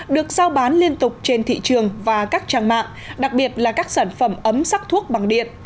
được giao bán liên tục trên thị trường và các trang mạng đặc biệt là các sản phẩm ấm sắc thuốc bằng điện